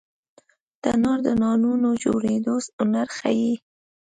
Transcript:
تنور د نانونو جوړېدو هنر ښيي